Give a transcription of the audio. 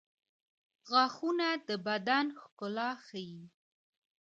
• غاښونه د بدن ښکلا ښيي.